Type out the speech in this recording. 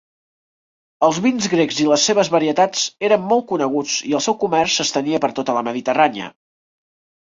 Els vins grecs i les seves varietats eren molt coneguts i el seu comerç s'estenia per tota la Mediterrània.